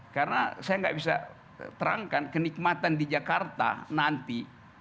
karena saya gak bisa terangkan kenikmatan di jakarta nanti